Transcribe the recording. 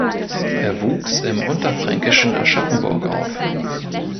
Er wuchs im unterfränkischen Aschaffenburg auf.